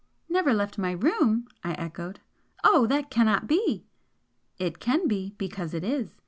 "Never left my room!" I echoed "Oh, that cannot be!" "It can be, because it is!"